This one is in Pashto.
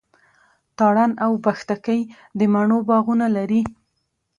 تارڼ اوبښتکۍ د مڼو باغونه لري.